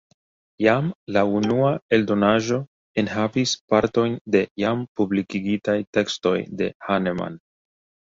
Jam la unua eldonaĵo enhavis partojn de jam publikigitaj tekstoj de Hahnemann.